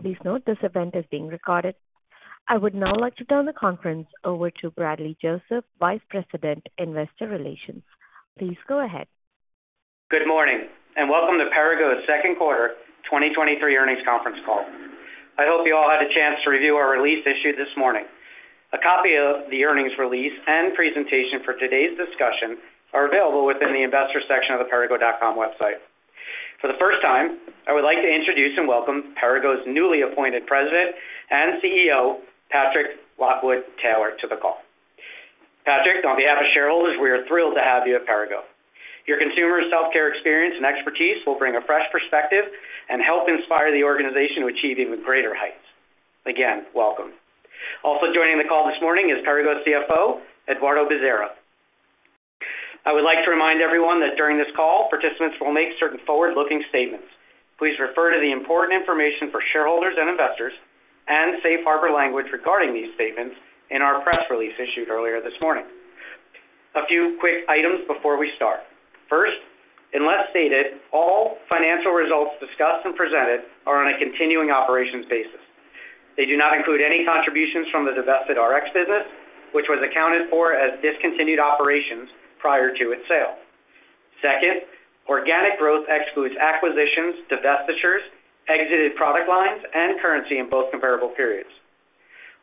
Please note this event is being recorded. I would now like to turn the conference over to Bradley Joseph, Vice President, Investor Relations. Please go ahead. Good morning, and welcome to Perrigo's second quarter 2023 earnings conference call. I hope you all had a chance to review our release issued this morning. A copy of the earnings release and presentation for today's discussion are available within the investor section of the perrigo.com website. For the first time, I would like to introduce and welcome Perrigo's newly appointed President and CEO, Patrick Lockwood-Taylor, to the call. Patrick, on behalf of shareholders, we are thrilled to have you at Perrigo. Your consumer self-care experience and expertise will bring a fresh perspective and help inspire the organization to achieve even greater heights. Again, welcome. Also joining the call this morning is Perrigo's CFO, Eduardo Bezerra. I would like to remind everyone that during this call, participants will make certain forward-looking statements. Please refer to the important information for shareholders and investors, and safe harbor language regarding these statements in our press release issued earlier this morning. A few quick items before we start. First, unless stated, all financial results discussed and presented are on a continuing operations basis. They do not include any contributions from the divested Rx business, which was accounted for as discontinued operations prior to its sale. Second, organic growth excludes acquisitions, divestitures, exited product lines, and currency in both comparable periods.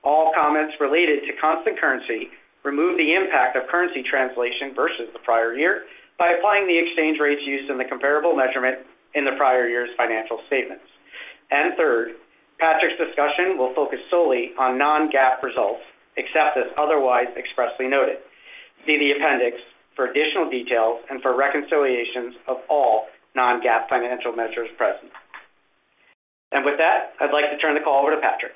All comments related to constant currency remove the impact of currency translation versus the prior year by applying the exchange rates used in the comparable measurement in the prior year's financial statements. Third, Patrick's discussion will focus solely on non-GAAP results, except as otherwise expressly noted. See the appendix for additional details and for reconciliations of all non-GAAP financial measures present. With that, I'd like to turn the call over to Patrick.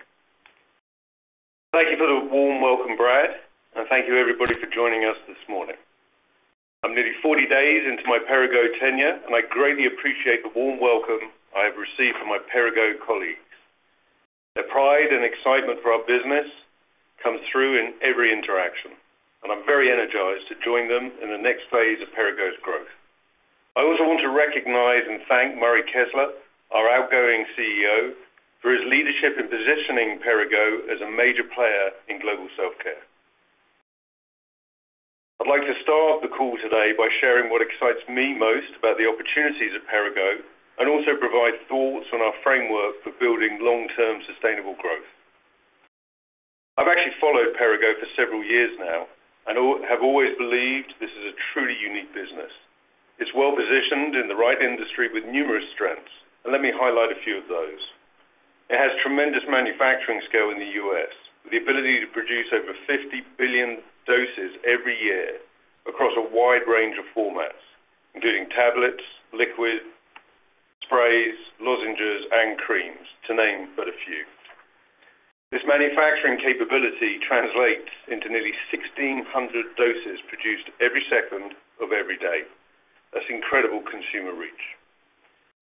Thank you for the warm welcome, Brad, and thank you, everybody, for joining us this morning. I'm nearly 40 days into my Perrigo tenure, and I greatly appreciate the warm welcome I have received from my Perrigo colleagues. Their pride and excitement for our business comes through in every interaction, and I'm very energized to join them in the next phase of Perrigo's growth. I also want to recognize and thank Murray Kessler, our outgoing CEO, for his leadership in positioning Perrigo as a major player in global self-care. I'd like to start the call today by sharing what excites me most about the opportunities at Perrigo and also provide thoughts on our framework for building long-term sustainable growth. I've actually followed Perrigo for several years now and have always believed this is a truly unique business. It's well-positioned in the right industry with numerous strengths, and let me highlight a few of those. It has tremendous manufacturing scale in the U.S., with the ability to produce over 50 billion doses every year across a wide range of formats, including tablets, liquid, sprays, lozenges, and creams, to name but a few. This manufacturing capability translates into nearly 1,600 doses produced every second of every day. That's incredible consumer reach.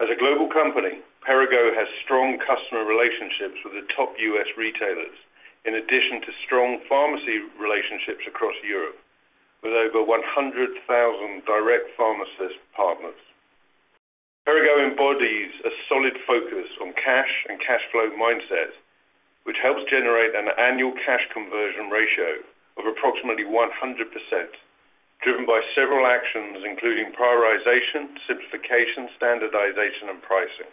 As a global company, Perrigo has strong customer relationships with the top U.S. retailers, in addition to strong pharmacy relationships across Europe, with over 100,000 direct pharmacist partners. Perrigo embodies a solid focus on cash and cash flow mindset, which helps generate an annual cash conversion ratio of approximately 100%, driven by several actions, including prioritization, simplification, standardization, and pricing.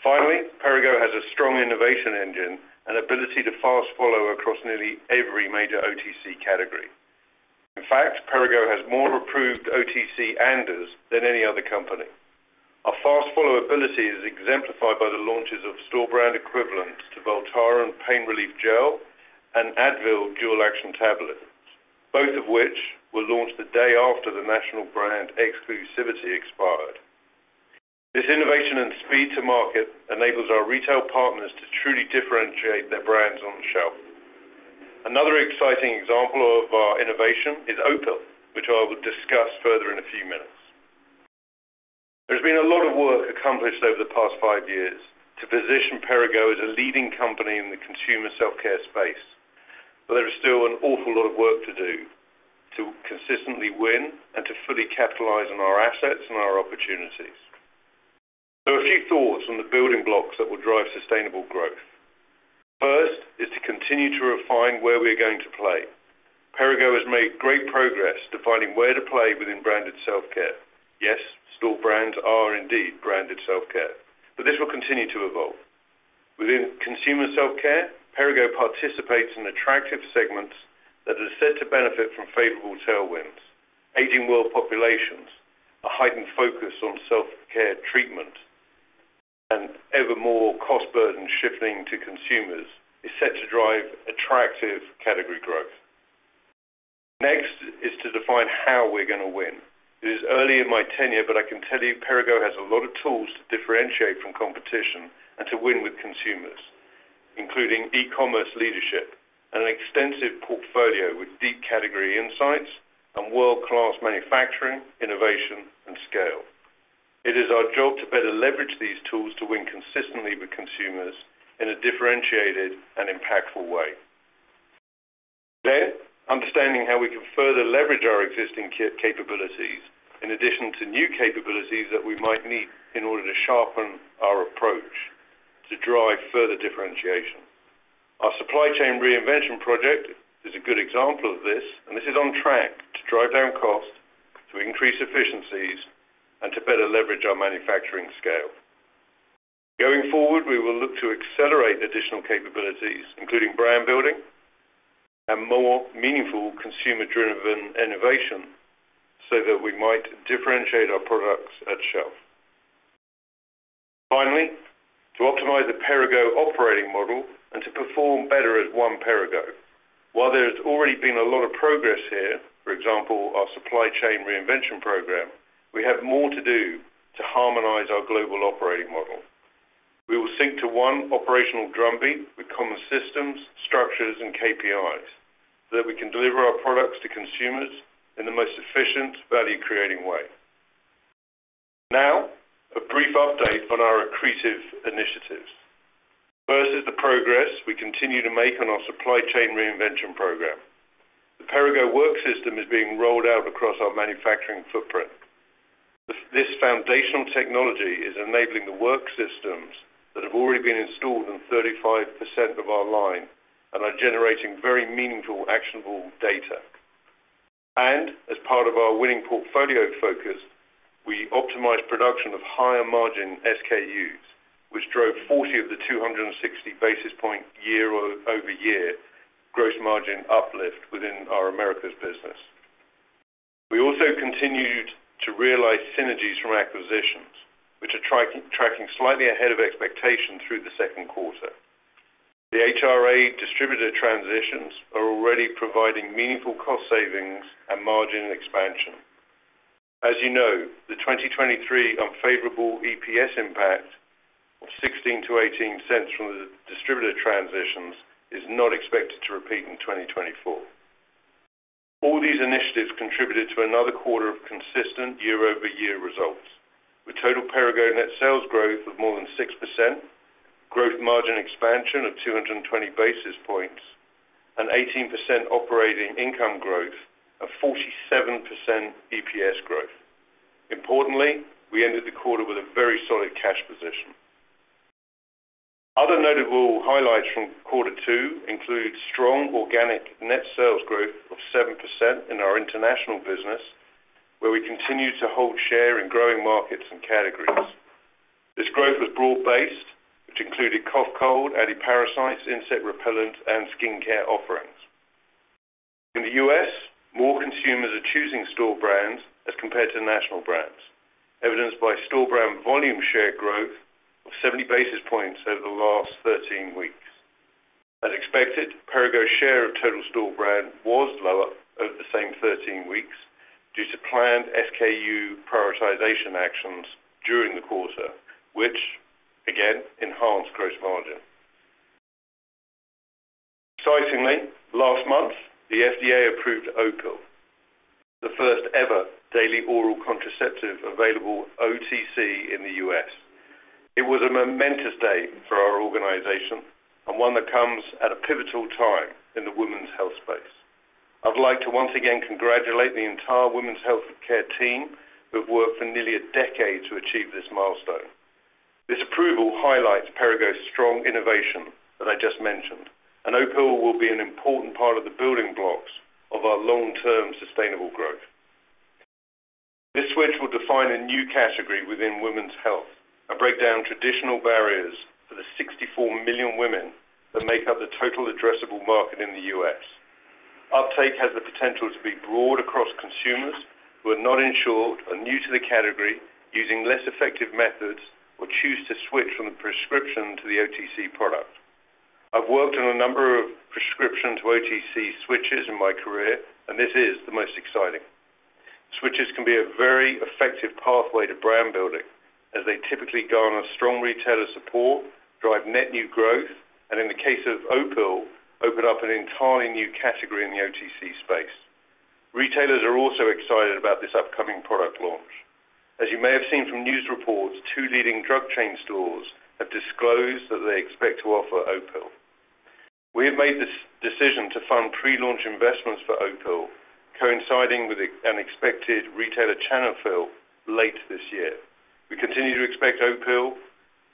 Finally, Perrigo has a strong innovation engine and ability to fast follow across nearly every major OTC category. In fact, Perrigo has more approved OTC ANDAs than any other company. Our fast follow ability is exemplified by the launches of store brand equivalents to Voltaren Pain Relief Gel and Advil Dual Action tablets, both of which were launched the day after the national brand exclusivity expired. This innovation and speed to market enables our retail partners to truly differentiate their brands on the shelf. Another exciting example of our innovation is Opill, which I will discuss further in a few minutes. There's been a lot of work accomplished over the past five years to position Perrigo as a leading company in the consumer self-care space, but there is still an awful lot of work to do to consistently win and to fully capitalize on our assets and our opportunities. A few thoughts on the building blocks that will drive sustainable growth. First is to continue to refine where we are going to play. Perrigo has made great progress defining where to play within branded self-care. Yes, store brands are indeed branded self-care, but this will continue to evolve. Within consumer self-care, Perrigo participates in attractive segments that are set to benefit from favorable tailwinds. Aging world populations, a heightened focus on self-care treatment, and ever more cost burden shifting to consumers is set to drive attractive category growth. Next is to define how we're gonna win. It is early in my tenure, but I can tell you Perrigo has a lot of tools to differentiate from competition and to win with consumers, including e-commerce leadership and an extensive portfolio with deep category insights and world-class manufacturing, innovation, and scale. It is our job to better leverage these tools to win consistently with consumers in a differentiated and impactful way. Understanding how we can further leverage our existing capabilities, in addition to new capabilities that we might need in order to sharpen our approach to drive further differentiation. Our Supply Chain Reinvention project is a good example of this. This is on track to drive down costs, to increase efficiencies, and to better leverage our manufacturing scale. Going forward, we will look to accelerate additional capabilities, including brand building and more meaningful consumer-driven innovation, that we might differentiate our products at shelf. Finally, to optimize the Perrigo operating model and to perform better as One Perrigo. While there has already been a lot of progress here, for example, our Supply Chain Reinvention program, we have more to do to harmonize our global operating model. We will sync to one operational drumbeat with common systems, structures, and KPIs, so that we can deliver our products to consumers in the most efficient, value-creating way. Now, a brief update on our accretive initiatives. First is the progress we continue to make on our Supply Chain Reinvention program. The Perrigo work system is being rolled out across our manufacturing footprint. This foundational technology is enabling the work systems that have already been installed in 35% of our line and are generating very meaningful, actionable data. As part of our winning portfolio focus, we optimize production of higher margin SKUs, which drove 40 of the 260 basis point year-over-year gross margin uplift within our Americas business. We also continued to realize synergies from acquisitions, which are tracking slightly ahead of expectation through the second quarter. The HRA distributor transitions are already providing meaningful cost savings and margin expansion. As you know, the 2023 unfavorable EPS impact of $0.16-$0.18 from the distributor transitions is not expected to repeat in 2024. All these initiatives contributed to another quarter of consistent year-over-year results, with total Perrigo net sales growth of more than 6%, growth margin expansion of 220 basis points, and 18% operating income growth, a 47% EPS growth. Importantly, we ended the quarter with a very solid cash position. Other notable highlights from quarter two include strong organic net sales growth of 7% in our international business, where we continue to hold share in growing markets and categories. This growth was broad-based, which included cough, cold, anti-parasites, insect repellent, and skincare offerings. In the U.S., more consumers are choosing store brands as compared to national brands, evidenced by store brand volume share growth of 70 basis points over the last 13 weeks. As expected, Perrigo's share of total store brand was lower over the same 13 weeks due to planned SKU prioritization actions during the quarter, which again enhanced gross margin. Excitingly, last month, the FDA approved Opill, the first ever daily oral contraceptive available OTC in the U.S. It was a momentous day for our organization and one that comes at a pivotal time in the women's health space. I'd like to once again congratulate the entire women's health care team, who have worked for nearly a decade to achieve this milestone. This approval highlights Perrigo's strong innovation that I just mentioned, and Opill will be an important part of the building blocks of our long-term sustainable growth. This switch will define a new category within women's health and break down traditional barriers for the 64 million women that make up the total addressable market in the US. Uptake has the potential to be broad across consumers who are not insured, are new to the category, using less effective methods, or choose to switch from the prescription to the OTC product. I've worked on a number of prescription to OTC switches in my career, and this is the most exciting. Switches can be a very effective pathway to brand building, as they typically garner strong retailer support, drive net new growth, and in the case of Opill, open up an entirely new category in the OTC space. Retailers are also excited about this upcoming product launch. As you may have seen from news reports, two leading drug chain stores have disclosed that they expect to offer Opill. We have made this decision to fund pre-launch investments for Opill, coinciding with an expected retailer channel fill late this year. We continue to expect Opill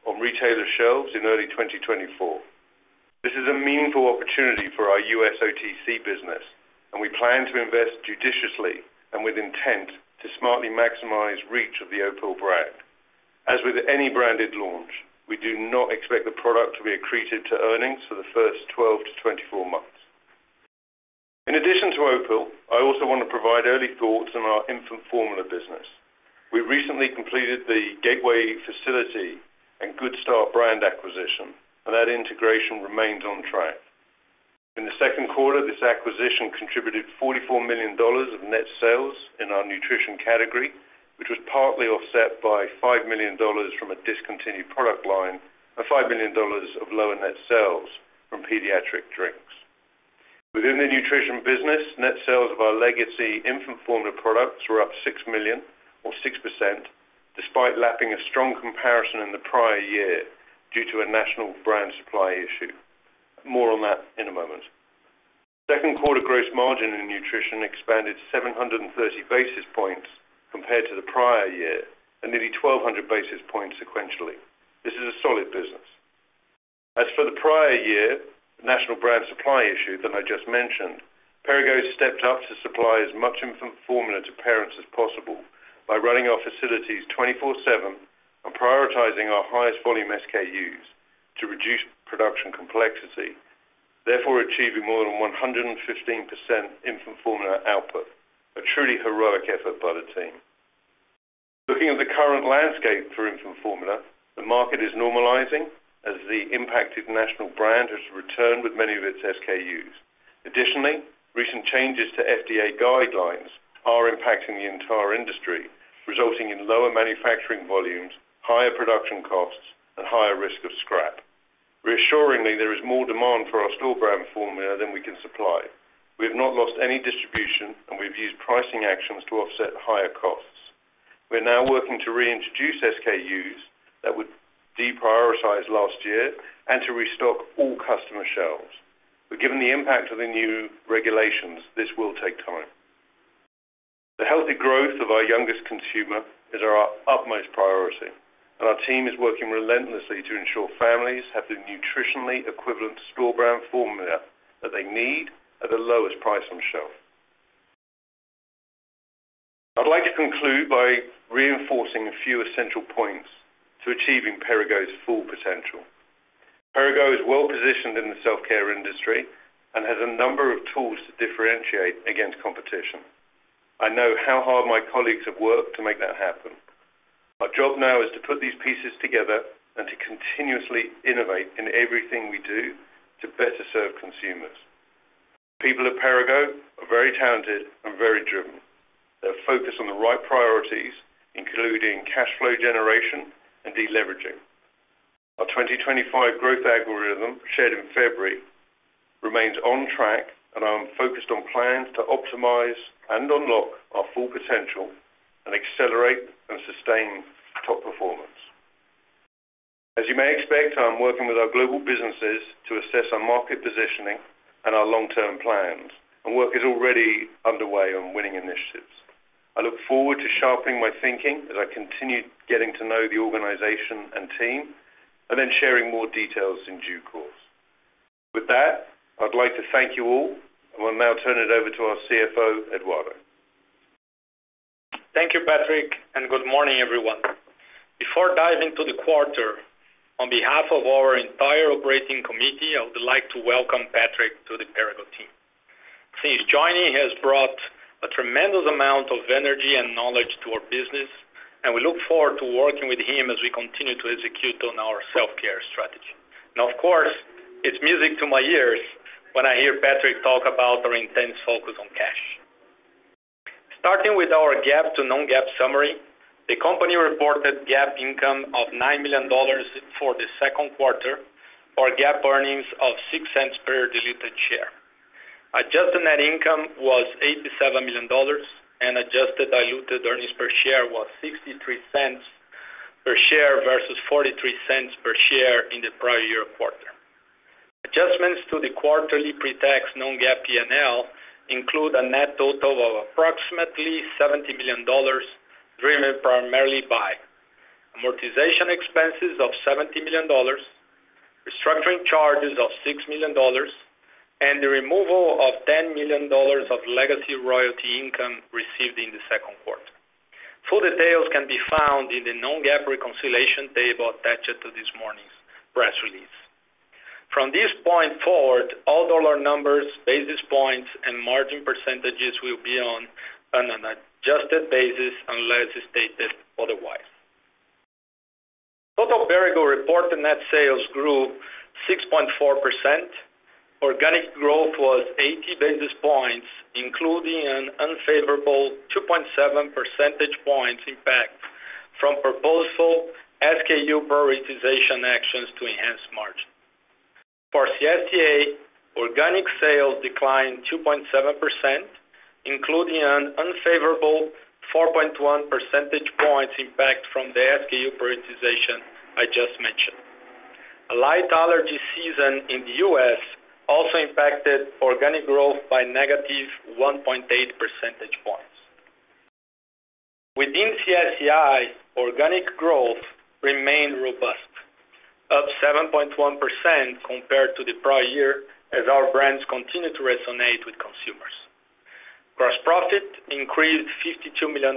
on retailer shelves in early 2024. This is a meaningful opportunity for our U.S. OTC business, and we plan to invest judiciously and with intent to smartly maximize reach of the Opill brand. As with any branded launch, we do not expect the product to be accretive to earnings for the first 12-24 months. In addition to Opill, I also want to provide early thoughts on our infant formula business. We recently completed the Gateway facility and Good Start brand acquisition, and that integration remains on track. In the second quarter, this acquisition contributed $44 million of net sales in our nutrition category, which was partly offset by $5 million from a discontinued product line and $5 million of lower net sales from pediatric drinks. Within the nutrition business, net sales of our legacy infant formula products were up 6 million % despite lapping a strong comparison in the prior year due to a national brand supply issue. More on that in a moment. Second quarter gross margin in nutrition expanded 730 basis points compared to the prior year, and nearly 1,200 basis points sequentially. This is a solid business. As for the prior year, national brand supply issue that I just mentioned, Perrigo stepped up to supply as much infant formula to parents as possible by running our facilities 24/7 and prioritizing our highest volume SKUs to reduce production complexity, therefore, achieving more than 115% infant formula output. A truly heroic effort by the team. Looking at the current landscape for infant formula, the market is normalizing as the impacted national brand has returned with many of its SKUs. Additionally, recent changes to FDA guidelines are impacting the entire industry, resulting in lower manufacturing volumes, higher production costs and higher risk of scrap. Reassuringly, there is more demand for our store brand formula than we can supply. We have not lost any distribution, and we've used pricing actions to offset higher costs. We're now working to reintroduce SKUs that were deprioritized last year and to restock all customer shelves. Given the impact of the new regulations, this will take time. The healthy growth of our youngest consumer is our utmost priority, and our team is working relentlessly to ensure families have the nutritionally equivalent store brand formula that they need at the lowest price on shelf. I'd like to conclude by reinforcing a few essential points to achieving Perrigo's full potential. Perrigo is well positioned in the self-care industry and has a number of tools to differentiate against competition. I know how hard my colleagues have worked to make that happen. Our job now is to put these pieces together and to continuously innovate in everything we do to better serve consumers. People at Perrigo are very talented and very driven. They're focused on the right priorities, including cash flow generation and deleveraging. Our 2025 growth algorithm, shared in February, remains on track, and I'm focused on plans to optimize and unlock our full potential and accelerate and sustain top performance. As you may expect, I'm working with our global businesses to assess our market positioning and our long-term plans, and work is already underway on winning initiatives. I look forward to sharpening my thinking as I continue getting to know the organization and team, and then sharing more details in due course. With that, I'd like to thank you all, and we'll now turn it over to our CFO, Eduardo. Thank you, Patrick. Good morning, everyone. Before diving to the quarter, on behalf of our entire operating committee, I would like to welcome Patrick to the Perrigo team. Since joining, he has brought a tremendous amount of energy and knowledge to our business, we look forward to working with him as we continue to execute on our self-care strategy. Of course, it's music to my ears when I hear Patrick talk about our intense focus on cash. Starting with our GAAP to non-GAAP summary, the company reported GAAP income of $9 million for the second quarter, or GAAP earnings of $0.06 per diluted share. Adjusted net income was $87 million, adjusted diluted earnings per share was $0.63 per share versus $0.43 per share in the prior year quarter. Adjustments to the quarterly pretax non-GAAP PNL include a net total of approximately $70 million, driven primarily by amortization expenses of $70 million, restructuring charges of $6 million, and the removal of $10 million of legacy royalty income received in the second quarter. Full details can be found in the non-GAAP reconciliation table attached to this morning's press release. From this point forward, all dollar numbers, basis points and margin percentages will be on an adjusted basis unless stated otherwise. Total Perrigo reported net sales grew 6.4%. Organic growth was 80 basis points, including an unfavorable 2.7 percentage points impact from proposal SKU prioritization actions to enhance margin. For CSCA, organic sales declined 2.7%, including an unfavorable 4.1 percentage points impact from the SKU prioritization I just mentioned. A light allergy season in the U.S. also impacted organic growth by negative 1.8 percentage points. Within CSCI, organic growth remained robust, up 7.1% compared to the prior year, as our brands continue to resonate with consumers. Gross profit increased $52 million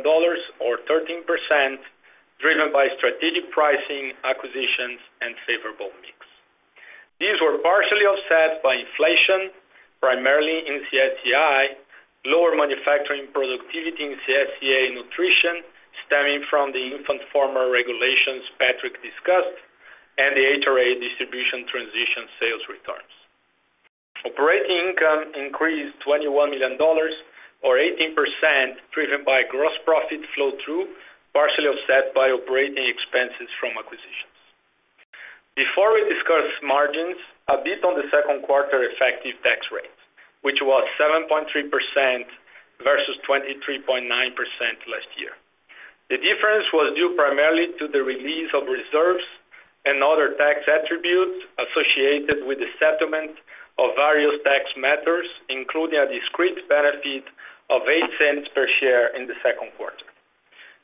or 13%, driven by strategic pricing, acquisitions, and favorable mix. These were partially offset by inflation, primarily in CSCI, lower manufacturing productivity in CSCA nutrition, stemming from the infant formula regulations Patrick discussed, and the HRA distribution transition sales returns. Operating income increased $21 million or 18%, driven by gross profit flow through, partially offset by operating expenses from acquisitions. Before we discuss margins, a bit on the second quarter effective tax rate, which was 7.3% versus 23.9% last year. The difference was due primarily to the release of reserves and other tax attributes associated with the settlement of various tax matters, including a discrete benefit of $0.08 per share in the second quarter.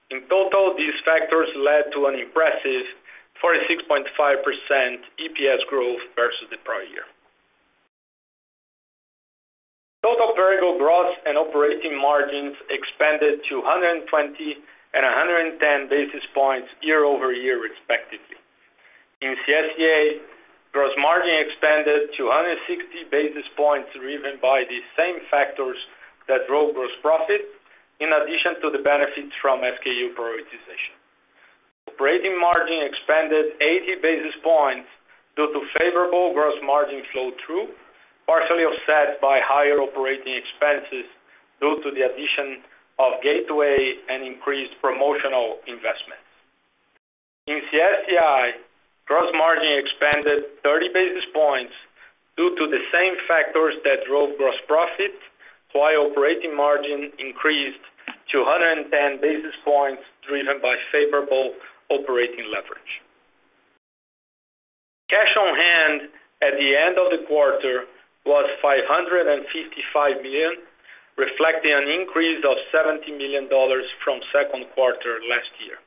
In total, these factors led to an impressive 46.5% EPS growth versus the prior year. Total Perrigo gross and operating margins expanded to 120 and 110 basis points year-over-year, respectively. In CSCA, gross margin expanded to 160 basis points, driven by the same factors that drove gross profit, in addition to the benefits from SKU prioritization. Operating margin expanded 80 basis points due to favorable gross margin flow-through, partially offset by higher operating expenses due to the addition of Gateway and increased promotional investments. In CSCI, gross margin expanded 30 basis points due to the same factors that drove gross profit, while operating margin increased to 110 basis points, driven by favorable operating leverage. Cash on hand at the end of the quarter was $555 million, reflecting an increase of $70 million from second quarter last year.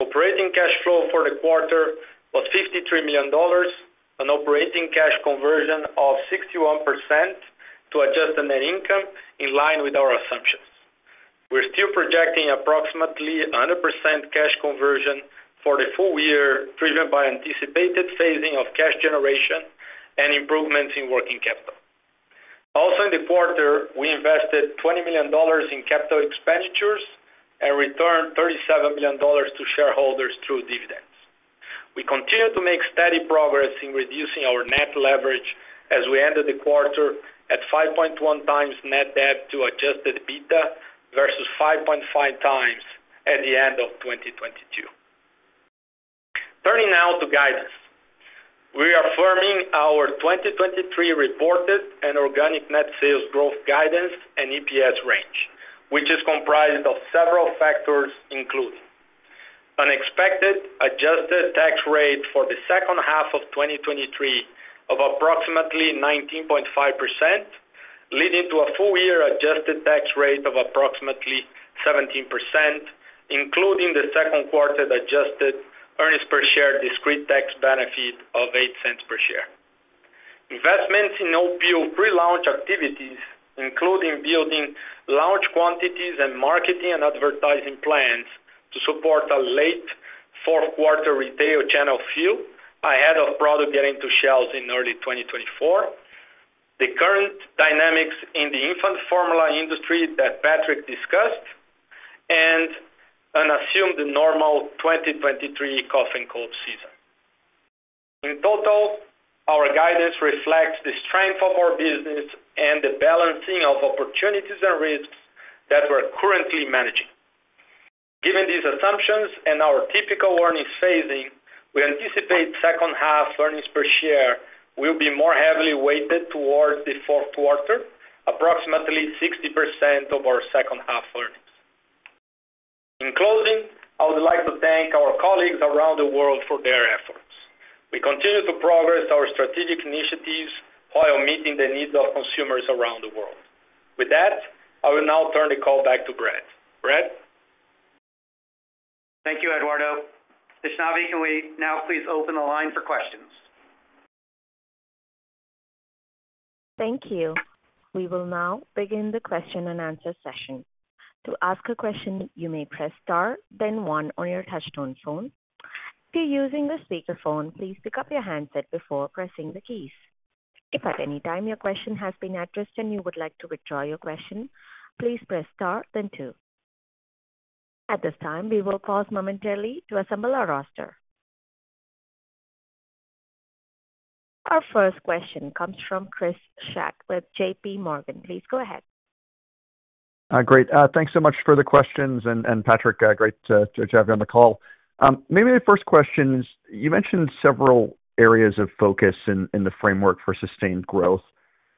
Operating cash flow for the quarter was $53 million, an operating cash conversion of 61% to adjust the net income in line with our assumptions. We're still projecting approximately a 100% cash conversion for the full year, driven by anticipated phasing of cash generation and improvements in working capital. Also, in the quarter, we invested $20 million in capital expenditures and returned $37 million to shareholders through dividends. We continue to make steady progress in reducing our net leverage as we ended the quarter at 5.1x net debt to adjusted EBITDA versus 5.5x at the end of 2022. Turning now to guidance. We are affirming our 2023 reported and organic net sales growth guidance and EPS range, which is comprised of several factors, including: an expected adjusted tax rate for the second half of 2023 of approximately 19.5%, leading to a full year adjusted tax rate of approximately 17%, including the second quarter adjusted earnings per share, discrete tax benefit of $0.08 per share. Investments in Opill pre-launch activities, including building large quantities and marketing and advertising plans to support a late fourth quarter retail channel fill ahead of product getting to shelves in early 2024. The current dynamics in the infant formula industry that Patrick discussed and an assumed normal 2023 cough and cold season. In total, our guidance reflects the strength of our business and the balancing of opportunities and risks that we're currently managing. Given these assumptions and our typical earnings phasing, we anticipate second half earnings per share will be more heavily weighted towards the fourth quarter, approximately 60% of our second half earnings. In closing, I would like to thank our colleagues around the world for their efforts. We continue to progress our strategic initiatives while meeting the needs of consumers around the world. With that, I will now turn the call back to Brad. Brad? Thank you, Eduardo. Vaishnavi, can we now please open the line for questions? Thank you. We will now begin the question and answer session. To ask a question, you may "press star, then one" on your touchtone phone. If you're using the speakerphone, please pick up your handset before pressing the keys. If at any time your question has been addressed and you would like to withdraw your question, "please press star then two". At this time, we will pause momentarily to assemble our roster. Our first question comes from Chris Schott with J.P. Morgan. Please go ahead. Great. Thanks so much for the questions, and, and Patrick, great to, to have you on the call. Maybe the first question is, you mentioned several areas of focus in, in the framework for sustained growth.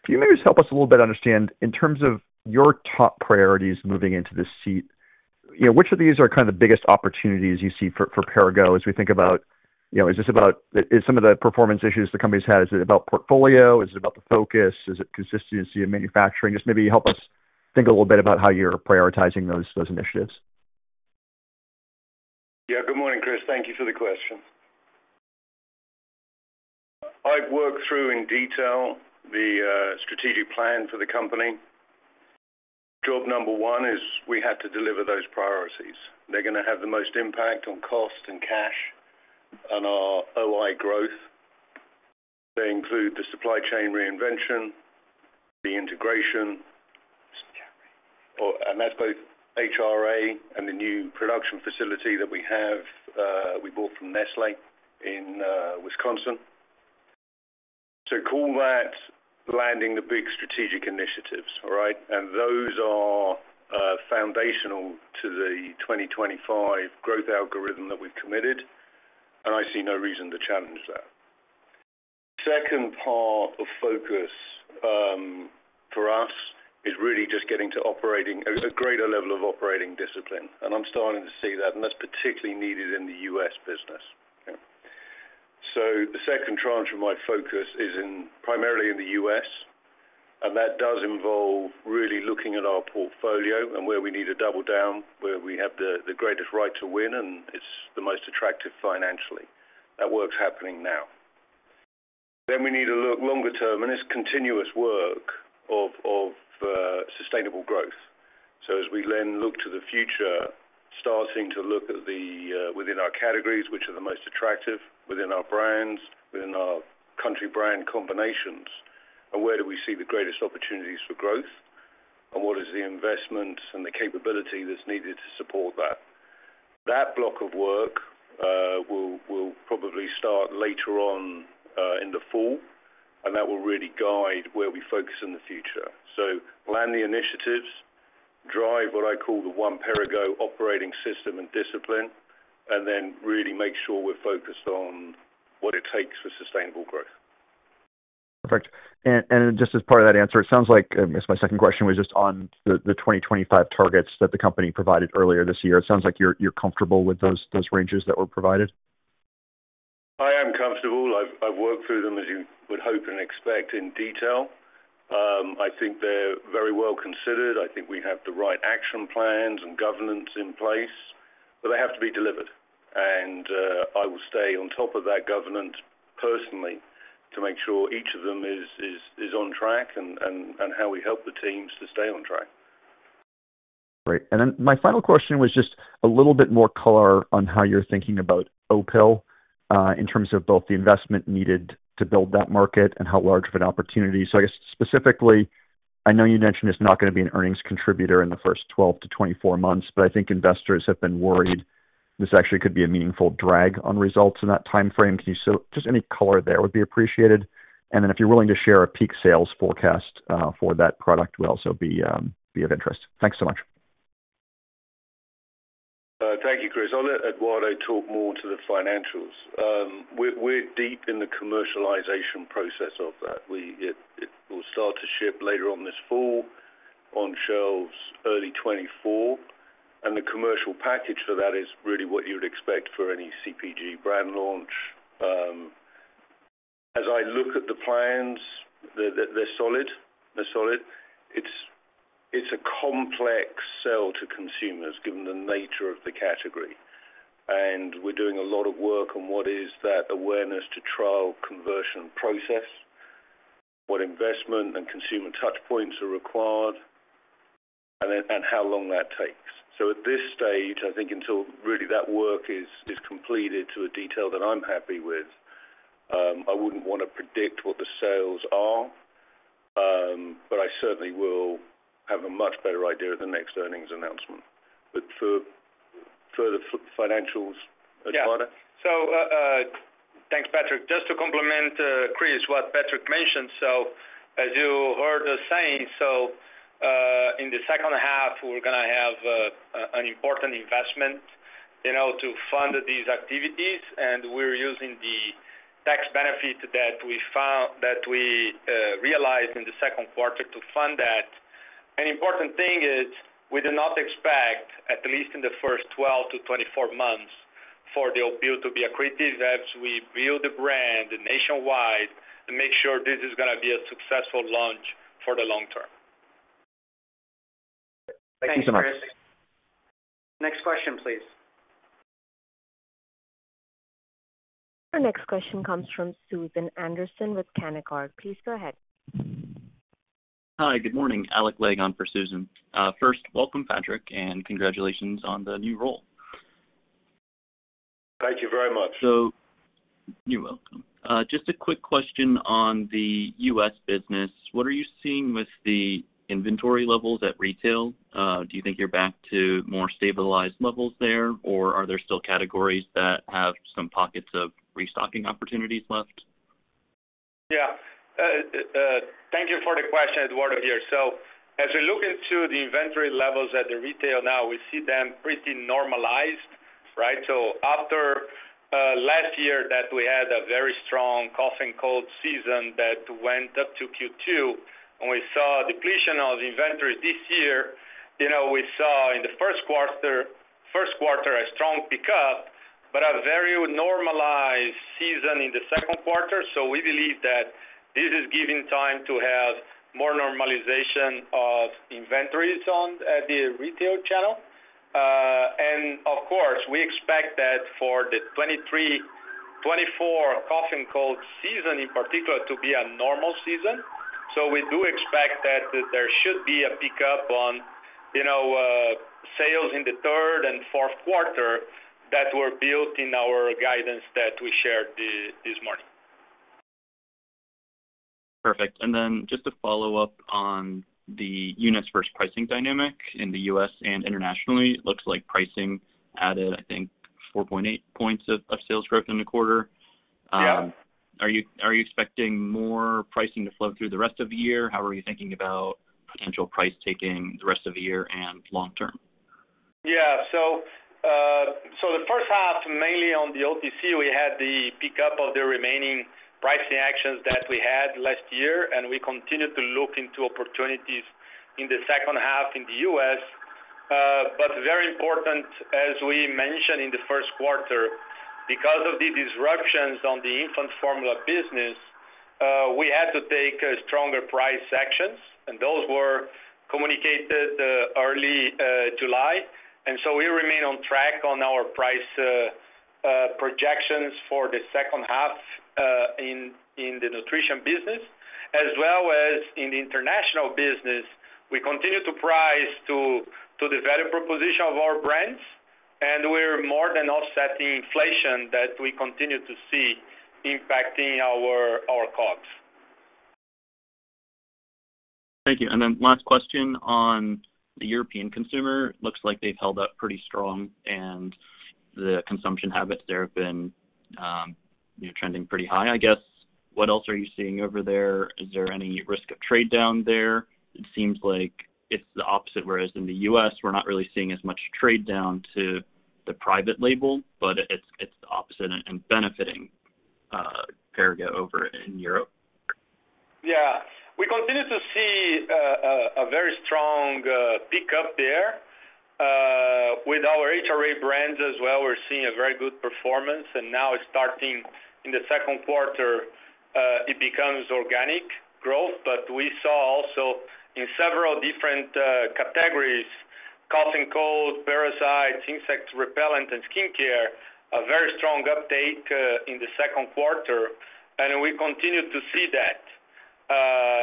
Can you maybe just help us a little bit understand, in terms of your top priorities moving into this seat, you know, which of these are kind of the biggest opportunities you see for, for Perrigo as we think about, you know, is this about, is some of the performance issues the company's had, is it about portfolio? Is it about the focus? Is it consistency in manufacturing? Just maybe help us think a little bit about how you're prioritizing those, those initiatives. Yeah, good morning, Chris. Thank you for the question. I've worked through in detail the strategic plan for the company. Job number one is we had to deliver those priorities. They're gonna have the most impact on cost and cash and our OI growth. They include the Supply Chain Reinvention, the integration, and that's both HRA and the new production facility that we have, we bought from Nestlé in Wisconsin. Call that landing the big strategic initiatives, all right? Those are foundational to the 2025 growth algorithm that we've committed, and I see no reason to challenge that. Second part of focus for us is really just getting to operating, a greater level of operating discipline, and I'm starting to see that, and that's particularly needed in the U.S. business. The second tranche of my focus is in, primarily in the U.S., and that does involve really looking at our portfolio and where we need to double down, where we have the, the greatest right to win, and it's the most attractive financially. That work's happening now. We need to look longer term, and it's continuous work of, of, sustainable growth. As we then look to the future, starting to look at the, within our categories, which are the most attractive within our brands, within our country brand combinations, and where do we see the greatest opportunities for growth? What is the investment and the capability that's needed to support that? That block of work will, will probably start later on in the fall, and that will really guide where we focus in the future. Land the initiatives, drive what I call the One Perrigo operating system and discipline, and then really make sure we're focused on what it takes for sustainable growth. Perfect. Just as part of that answer, it sounds like, I guess my second question was just on the 2025 targets that the company provided earlier this year. It sounds like you're, you're comfortable with those, those ranges that were provided? I am comfortable. I've, I've worked through them, as you would hope and expect in detail. I think they're very well considered. I think we have the right action plans and governance in place, but they have to be delivered. I will stay on top of that governance personally to make sure each of them is on track and how we help the teams to stay on track. Great. My final question was just a little bit more color on how you're thinking about Opill in terms of both the investment needed to build that market and how large of an opportunity. I guess specifically, I know you mentioned it's not gonna be an earnings contributor in the first 12-24 months, but I think investors have been worried this actually could be a meaningful drag on results in that time frame. Can you just any color there would be appreciated. If you're willing to share a peak sales forecast for that product, would also be of interest. Thanks so much. Thank you, Chris. I'll let Eduardo talk more to the financials. We're, we're deep in the commercialization process of that. We, it, it will start to ship later on this fall, on shelves early 2024. The commercial package for that is really what you would expect for any CPG brand launch. As I look at the plans, they're, they're solid. They're solid. It's, it's a complex sell to consumers, given the nature of the category. We're doing a lot of work on what is that awareness to trial conversion process, what investment and consumer touch points are required, and then, and how long that takes. At this stage, I think until really that work is, is completed to a detail that I'm happy with, I wouldn't want to predict what the sales are, but I certainly will have a much better idea at the next earnings announcement. For the financials, Eduardo? Thanks, Patrick. Just to complement, Chris, what Patrick mentioned. As you heard us saying, in the second half, we're gonna have an important investment, you know, to fund these activities, and we're using the tax benefit that we found, that we realized in the second quarter to fund that. An important thing is we do not expect, at least in the first 12 to 24 months, for the Opill to be accretive as we build the brand nationwide and make sure this is gonna be a successful launch for the long term. Thank you so much. Thanks, Chris. Next question, please. Our next question comes from Susan Anderson with Canaccord. Please go ahead. Hi, good morning. Alec Legg on for Susan. First, welcome, Patrick, and congratulations on the new role. Thank you very much. You're welcome. Just a quick question on the U.S. business. What are you seeing with the inventory levels at retail? Do you think you're back to more stabilized levels there, or are there still categories that have some pockets of restocking opportunities left? Yeah. Thank you for the question, Eduardo, here. As we look into the inventory levels at the retail now, we see them pretty normalized, right? After last year that we had a very strong cough and cold season that went up to Q2, and we saw a depletion of the inventory this year, you know, we saw in the first quarter, first quarter, a strong pickup, but a very normalized season in the second quarter. We believe that this is giving time to have more normalization of inventories on, at the retail channel. Of course, we expect that for the 2023, 2024 cough and cold season, in particular, to be a normal season. We do expect that there should be a pickup on, you know, sales in the third and fourth quarter that were built in our guidance that we shared this morning. Perfect. Then just to follow up on the units versus pricing dynamic in the US and internationally, it looks like pricing added 4.8 points of sales growth in the quarter. Are you, are you expecting more pricing to flow through the rest of the year? How are you thinking about potential price taking the rest of the year and long term? Yeah. The first half, mainly on the OTC, we had the pick up of the remaining pricing actions that we had last year, and we continued to look into opportunities in the second half in the U.S. Very important, as we mentioned in the first quarter, because of the disruptions on the infant formula business, we had to take stronger price actions, and those were communicated early July. So we remain on track on our price projections for the second half in the nutrition business as well as in the international business. We continue to price to the value proposition of our brands, and we're more than offsetting inflation that we continue to see impacting our, our costs. Thank you. Then last question on the European consumer. Looks like they've held up pretty strong, and the consumption habits there have been, you know, trending pretty high. I guess, what else are you seeing over there? Is there any risk of trade down there? It seems like it's the opposite, whereas in the U.S., we're not really seeing as much trade down to the private label, but it's, it's the opposite and benefiting Perrigo over in Europe. Yeah. We continue to see a very strong pick up there. With our HRA brands as well, we're seeing a very good performance. Now it's starting in the second quarter, it becomes organic growth. We saw also in several different categories, cough and cold, parasites, insect repellent, and skincare, a very strong uptake in the second quarter, and we continue to see that,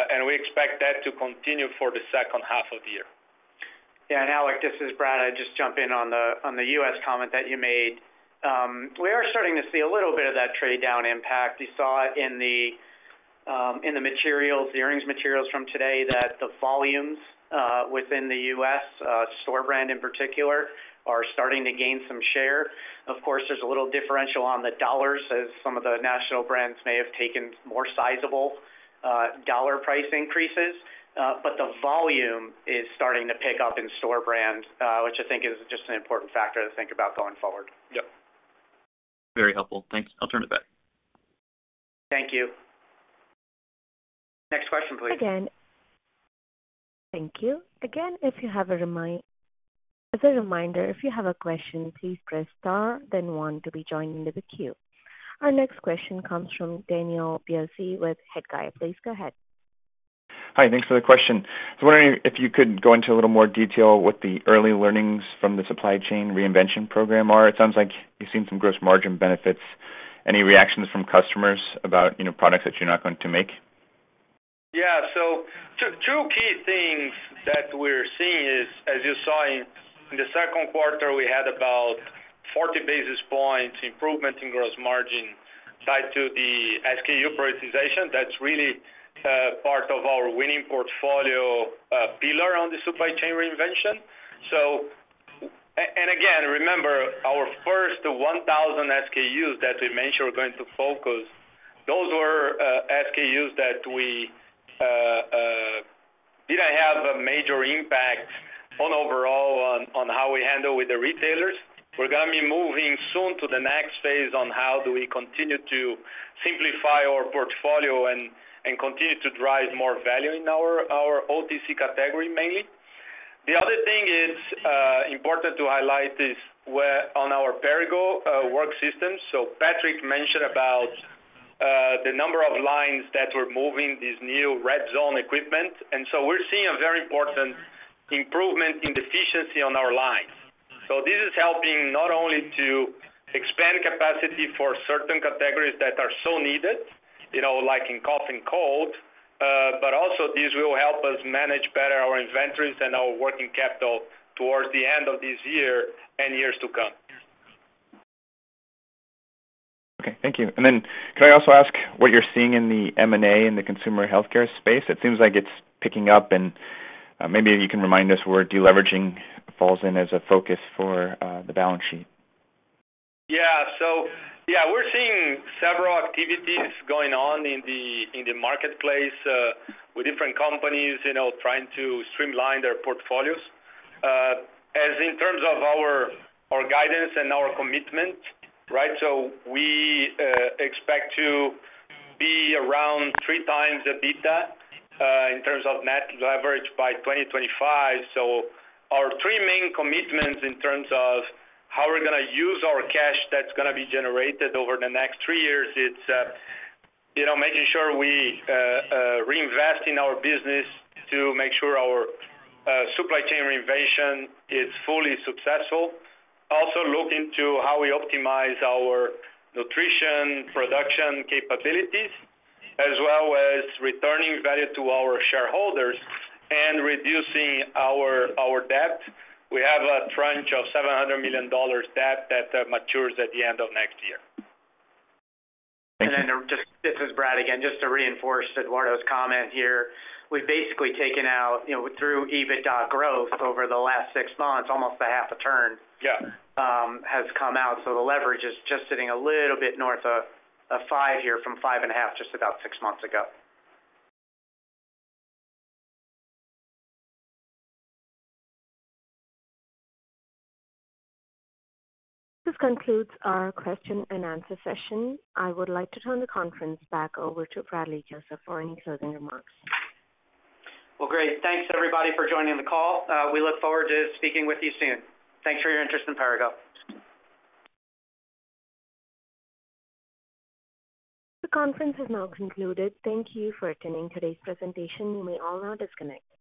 and we expect that to continue for the second half of the year. Yeah, Alec Legg, this is Brad. I'll just jump in on the US comment that you made. We are starting to see a little bit of that trade down impact. You saw it in the materials, the earnings materials from today, that the volumes within the US, store brand in particular, are starting to gain some share. Of course, there's a little differential on the dollars, as some of the national brands may have taken more sizable dollar price increases. The volume is starting to pick up in store brands, which I think is just an important factor to think about going forward. Yep. Very helpful. Thanks. I'll turn it back. Thank you. Next question, please. Again. Thank you. Again, as a reminder, if you have a question, "please press star, then one" to be joined into the queue. Our next question comes from Daniel Biolsi with Hedgeye. Please go ahead. Hi, thanks for the question. I was wondering if you could go into a little more detail what the early learnings from the Supply Chain Reinvention program are? It sounds like you've seen some gross margin benefits. Any reactions from customers about, you know, products that you're not going to make? Yeah. Two key things that we're seeing is, as you saw in the second quarter, we had about 40 basis points improvement in gross margin tied to the SKU prioritization. That's really part of our winning portfolio pillar on the Supply Chain Reinvention. And again, remember, our first 1,000 SKUs that we mentioned we're going to focus, those were SKUs that we did not have a major impact on overall on how we handle with the retailers. We're gonna be moving soon to the next phase on how do we continue to simplify our portfolio and continue to drive more value in our OTC category, mainly. The other thing is important to highlight is where on our Perrigo Work System. Patrick mentioned about the number of lines that we're moving this new Redzone equipment, and so we're seeing a very important improvement in the efficiency on our lines. This is helping not only to expand capacity for certain categories that are so needed, you know, like in cough and cold, but also this will help us manage better our inventories and our working capital towards the end of this year and years to come. Okay, thank you. Then can I also ask what you're seeing in the M&A in the consumer healthcare space? It seems like it's picking up, and maybe you can remind us where deleveraging falls in as a focus for the balance sheet. Yeah. Yeah, we're seeing several activities going on in the marketplace, with different companies, you know, trying to streamline their portfolios. As in terms of our guidance and our commitment, right, we expect to be around 3x the EBITDA in terms of net leverage by 2025. Our three main commitments in terms of how we're gonna use our cash that's gonna be generated over the next 3years, it's, you know, making sure we reinvest in our business to make sure our Supply Chain Reinvention is fully successful. Also, look into how we optimize our nutrition production capabilities, as well as returning value to our shareholders and reducing our debt. We have a tranche of $700 million debt that matures at the end of next year. Just. This is Brad again. Just to reinforce Eduardo's comment here, we've basically taken out, you know, through EBITDA growth over the last six months, almost a 0.5 turn. Yeah has come out. The leverage is just sitting a little bit north of five here from 5.5, just about six months ago. This concludes our question and answer session. I would like to turn the conference back over to Bradley Joseph for any closing remarks. Well, great. Thanks, everybody, for joining the call. We look forward to speaking with you soon. Thanks for your interest in Perrigo. The conference has now concluded. Thank you for attending today's presentation. You may all now disconnect.